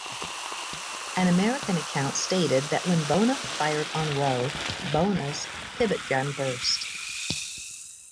An American account stated that when "Bona" fired on "Roe" "Bona"s pivot gun burst.